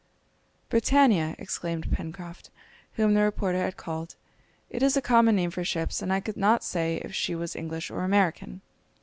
"Britannia," exclaimed Pencroft, whom the reporter had called; "it is a common name for ships, and I could not say if she was English or American!"